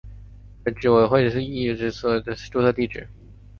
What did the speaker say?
而执委主席之所属学校将成为该年的注册会址。